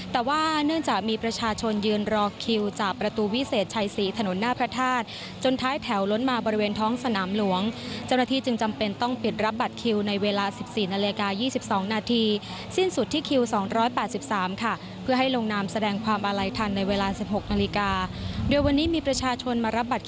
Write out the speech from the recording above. แต่ว่าเนื่องจากมีประชาชนยืนรอคิวจากประตูวิเศษชัยศรีถนนหน้าพระธาตุจนท้ายแถวล้นมาบริเวณท้องสนามหลวงเจ้าหน้าที่จึงจำเป็นต้องปิดรับบัตรคิวในเวลา๑๔นาฬิกา๒๒นาทีสิ้นสุดที่คิว๒๘๓ค่ะเพื่อให้ลงนามแสดงความอาลัยทันในเวลา๑๖นาฬิกาโดยวันนี้มีประชาชนมารับบัต